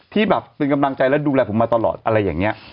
ที่แบบเป็นกำลังใจและดูแลผมมาตลอดอะไรอย่างนี้